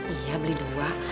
iya beli dua